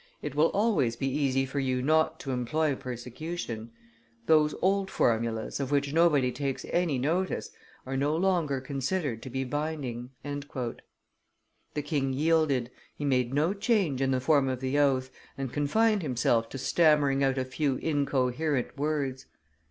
It will always be easy for you not to employ persecution. Those old formulas, of which nobody takes any notice, are no longer considered to be binding." The king yielded; he made no change in the form of the oath, and confined himself to stammering out a few incoherent words.